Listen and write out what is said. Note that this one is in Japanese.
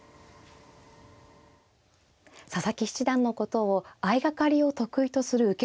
佐々木七段のことを相掛かりを得意とする受け